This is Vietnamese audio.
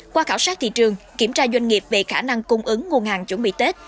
qua khảo sát thị trường kiểm tra doanh nghiệp về khả năng cung ứng nguồn hàng chuẩn bị tết